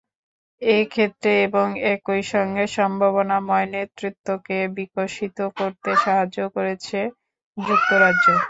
এ ক্ষেত্রে এবং একই সঙ্গে সম্ভাবনাময় নেতৃত্বকে বিকশিত করতে সাহায্য করছে যুক্তরাজ্য।